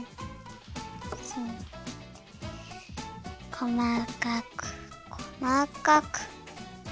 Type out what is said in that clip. こまかくこまかく。